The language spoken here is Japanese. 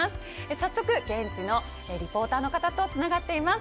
早速現地のリポーターの方とつながっています。